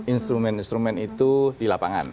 instrumen instrumen itu di lapangan